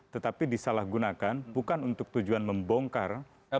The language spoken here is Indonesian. tetapi disalahgunakan bukan untuk tujuan membongkar